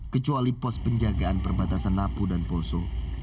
kecuali pos penjagaan perbatasan napu dan poso